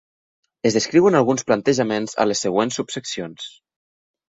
Es descriuen alguns plantejaments a les següents subseccions.